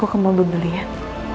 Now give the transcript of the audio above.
aku mau berbelian